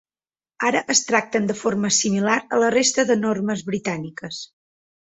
Ara es tracten de forma similar a la resta de normes britàniques.